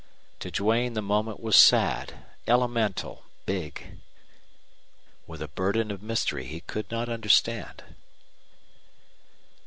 To Duane the moment was sad, elemental, big, with a burden of mystery he could not understand.